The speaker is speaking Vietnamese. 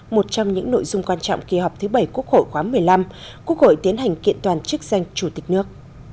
một trong những nội dung quan trọng kỳ họp thứ bảy quốc hội khóa một mươi năm quốc hội tiến hành kiện toàn chức danh chủ tịch nước